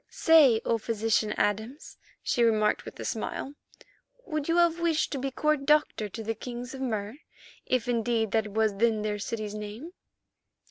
"Say, O Physician Adams," she remarked with a smile, "would you have wished to be court doctor to the kings of Mur, if indeed that was then their city's name?"